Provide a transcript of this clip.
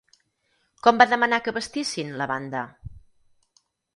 Com va demanar que vestissin la banda?